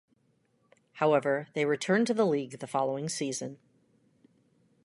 However, they returned to the league the following season.